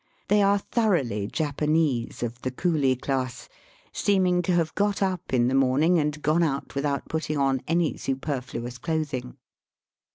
They are thoroughly Japanese, of the coolie class, seeming to have got up in the morning and gone out without putting on any superfluous clothing.